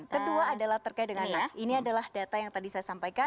kedua adalah terkait dengan ini adalah data yang tadi saya sampaikan